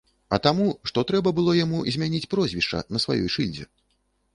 А таму, што трэба было яму змяніць прозвішча на сваёй шыльдзе.